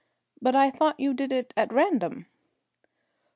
"But I thought you did it at random."